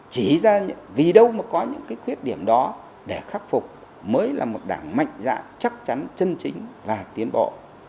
chỉ ra vì đâu mà có những cái khuyết điểm đó để khắc phục mới là một đảng mạnh dạng chắc chắn chân chính và tiến bộ